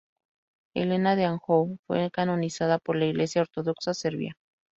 Helena de Anjou fue canonizada por la Iglesia ortodoxa serbia.